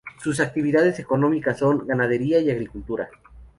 Sus actividades económicas son: ganadería y agricultura.